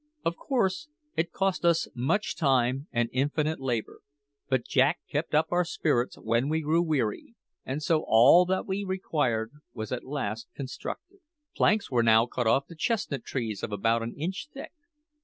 Of course it cost us much time and infinite labour; but Jack kept up our spirits when we grew weary, and so all that we required was at last constructed. Planks were now cut off the chestnut trees of about an inch thick.